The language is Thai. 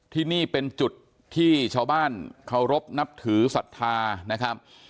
ที่นี่เป็นจุดที่ชาวบ้านเคารพนับถือศรัทธานะครับ